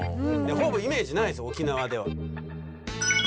ほぼイメージないですよ沖縄では。